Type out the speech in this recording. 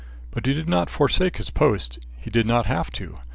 But he did not forsake his post; he did not have to.